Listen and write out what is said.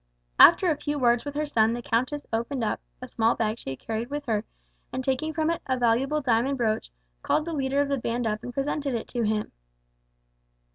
After a few words with her son the countess opened a small bag she carried with her, and taking from it a valuable diamond brooch, called the leader of the band up and presented it to him.